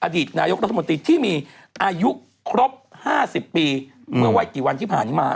อดีตนายกรัฐมนตรีที่มีอายุครบ๕๐ปีเมื่อวัยกี่วันที่ผ่านมา